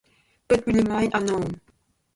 But we remain unknown.